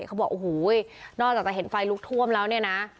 เขาบอกโอ้โหนอกจากจะเห็นไฟลุกท่วมแล้วเนี่ยนะ